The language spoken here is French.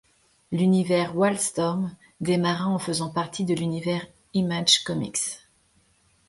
L'Univers Wildstorm démarra en faisant partie de l'Univers Image Comics.